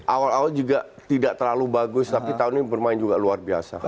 awal awal juga tidak terlalu bagus tapi tahun ini bermain juga luar biasa